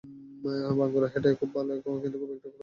Bangura হেডে খুব ভালো, কিন্তু খুব একটা ক্রসও তাঁর কাছে যায়নি।